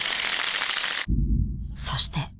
そして。